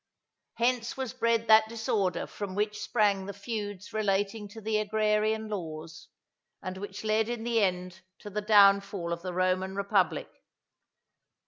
Hence was bred that disorder from which sprang the feuds relating to the Agrarian Laws, and which led in the end to the downfall of the Roman republic.